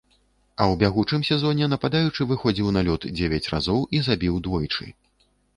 А ў бягучым сезоне нападаючы выходзіў на лёд дзевяць разоў і забіў двойчы.